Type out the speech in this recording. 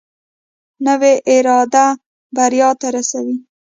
نوې اراده بریا ته رسوي